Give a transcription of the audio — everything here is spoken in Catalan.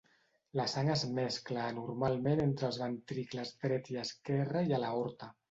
La sang es mescla anormalment entre els ventricles dret i esquerra i a l'aorta.